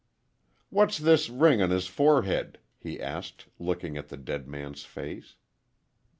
"What's this ring on his forehead?" he asked, looking at the dead man's face.